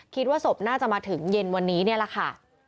คิดว่าศพน่าจะมาถึงเย็นวันนี้นี่แหละค่ะ